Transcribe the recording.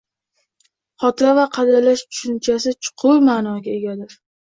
Xotira va qadrlash tushunchasi chuqur ma'noga egadir